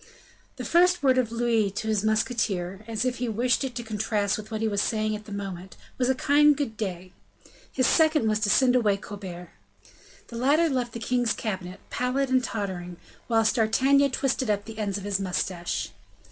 The first word of Louis to his musketeer, as if he wished it to contrast with what he was saying at the moment, was a kind "good day." His second was to send away Colbert. The latter left the king's cabinet, pallid and tottering, whilst D'Artagnan twisted up the ends of his mustache.